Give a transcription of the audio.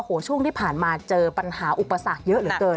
โอ้โหช่วงที่ผ่านมาเจอปัญหาอุปสรรคเยอะเหลือเกิน